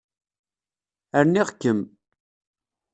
Rniɣ-kem.